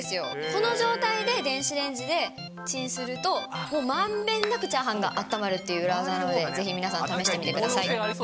この状態で電子レンジでチンすると、まんべんなくチャーハンがあったまるという裏技で、ぜひ皆さん、試してみてください。